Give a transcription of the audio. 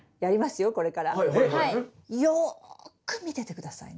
よく見てて下さいね。